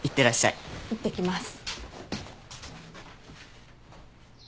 いってきます。